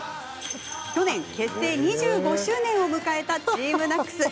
去年、結成２５周年を迎えたＴＥＡＭＮＡＣＳ。